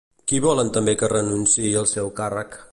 Qui volen també que renunciï al seu càrrec?